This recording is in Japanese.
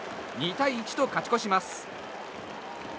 ２対１と勝ち越します。